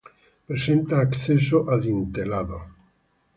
Presenta acceso adintelado.